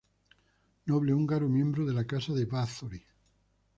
Noble húngaro miembro de la Casa de Báthory.